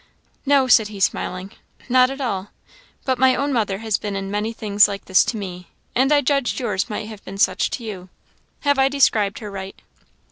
"No," said he, smiling, "not at all; but my own mother has been in many things like this to me, and I judged yours might have been such to you. Have I described her right?"